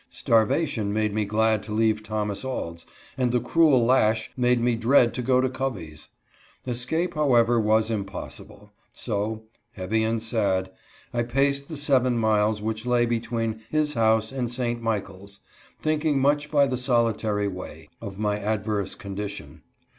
Starvation made me glad to leave Thomas Auld's, and the cruel lash made me dread to go to Covey's. Escape, however, was impossible ; so, heavy and sad, I paced the seven miles which lay between his (140) ME IS SENT TO SCHOOL. 141 house and St. Michaels, thinking much by the solitary way, of my adverse condition.